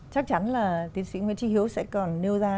chắc chắn là tiến sĩ nguyễn trí hiếu sẽ còn nêu ra